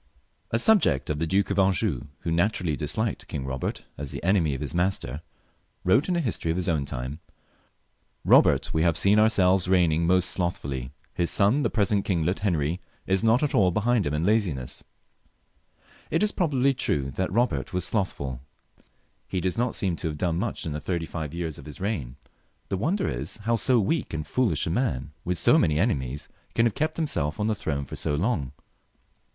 A SUBJECT of the Duke of Anjou, who naturally disliked King Eobert as the enemy of his master, wrote in a history of his own time, " Eobert we have ourselves seen reigning most slothfuUy ; his son, the present kinglet Henry, is not at all behind him in lazinesa" It is probably true that Eobert was slothful; he does not seem to have done much in the thirty five years of his reign; the wonder is how so weak and foolish a man^ with so many enemies, can have kept himself on the throne for so long a time.